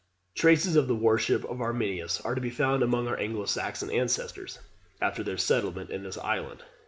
] Traces of the worship of Arminius are to be found among our Anglo Saxon ancestors, after their settlement in this island.